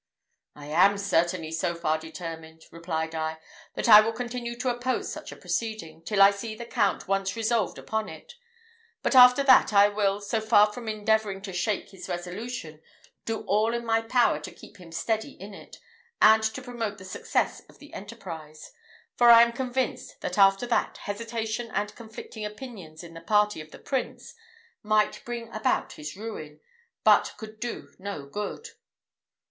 "I am certainly so far determined," replied I, "that I will continue to oppose such a proceeding, till I see the Count once resolved upon it; but after that, I will, so far from endeavouring to shake his resolution, do all in my power to keep him steady in it, and to promote the success of the enterprise; for I am convinced that after that, hesitation and conflicting opinions in the party of the Prince might bring about his ruin, but could do no good."